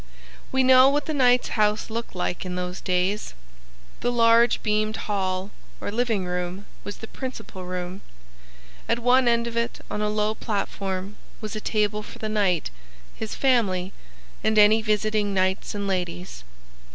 We know what the knight's house looked like in those days. The large beamed hall or living room was the principal room. At one end of it, on a low platform, was a table for the knight, his family, and any visiting knights and ladies.